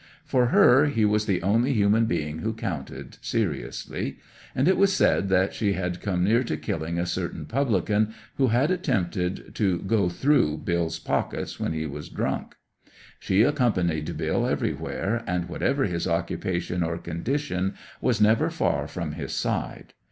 For her, he was the only human being who counted, seriously; and it was said that she had come near to killing a certain publican who had attempted to "go through" Bill's pockets when he was drunk. She accompanied Bill everywhere, and, whatever his occupation or condition, was never far from his side.